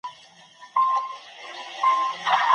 ټولنه د وګړو لخوا جوړېږي.